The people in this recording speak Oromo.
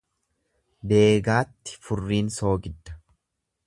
Deegaatti furriin soogidda.